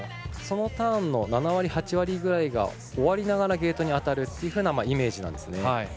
そのターンの７割、８割ぐらいが終わりながらゲートに当たるというイメージなんですね。